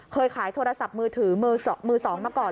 เคยขายโทรศัพท์มือถือมือสองมาก่อน